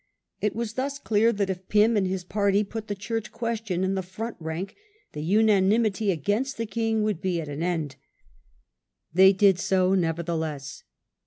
It was thus clear that if Pym and his party put the church question in the front rank the unanimity against the king would be at an end. They did so, nevertheless.